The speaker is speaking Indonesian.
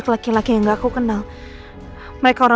cemain temen kamu jorna